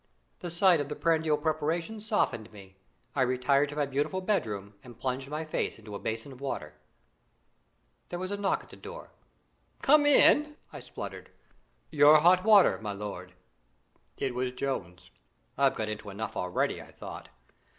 The sight of the prandial preparations softened me. I retired to my beautiful bedroom and plunged my face into a basin of water. There was a knock at the door. "Come in!" I spluttered. "Your hot water, my lord!" It was Jones. "I've got into enough already," I thought.